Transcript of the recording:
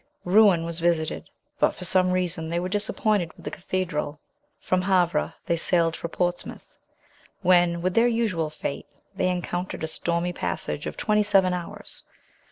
Rouen was visited; but for some reason they were disappointed with the cathedral. From Havre they sailed for Portsmouth, when, with their usual fate, they encountered a stormy passage of twenty seven hours.